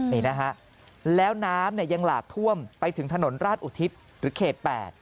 นี่นะฮะแล้วน้ำเนี่ยยังหลากท่วมไปถึงถนนราชอุทิศหรือเขต๘